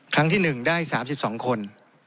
ครั้งที่๑ได้๓๒คน